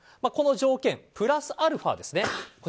この条件プラスアルファですね。